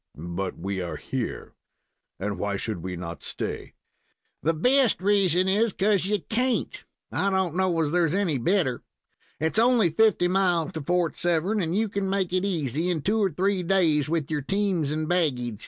"But we are here, and why should we not stay?" "The best reason is 'cause you can't. I don't know as there's any better. It's only fifty miles to Fort Severn, and you can make it easy in two or three days with your teams and baggage.